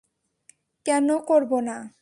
কেন করব না?